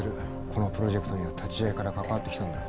このプロジェクトには立ち上げから関わってきたんだ。